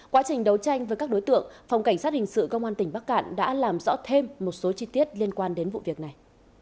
quá trình đấu tranh với các đối tượng phòng cảnh sát hình sự công an tỉnh bắc cạn đã làm rõ thêm một số chi tiết liên quan đến vụ việc này